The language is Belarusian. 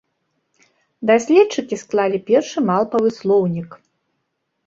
Даследчыкі склалі першы малпавы слоўнік.